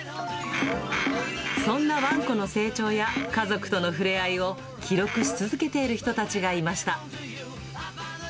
そんなワンコの成長や家族とのふれあいを、記録し続けている人たちがいました。